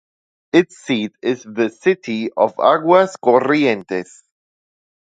Its seat is the city of Aguas Corrientes.